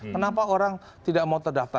kenapa orang tidak mau terdaftar